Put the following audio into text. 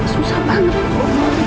susah banget bu